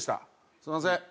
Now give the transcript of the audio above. すみません」。